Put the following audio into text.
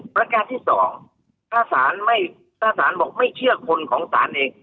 ประกาศที่๒ถ้าศาลบอกไม่เชื่อคนของศาลเอง